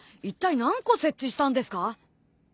いったい何個設置したんですか？